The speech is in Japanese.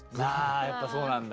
やっぱそうなんだ。